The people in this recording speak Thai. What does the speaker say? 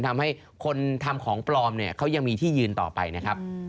ทำให้คนทำของปลอมเนี่ยเขายังมีที่ยืนต่อไปนะครับ